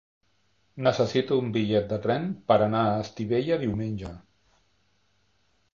Necessito un bitllet de tren per anar a Estivella diumenge.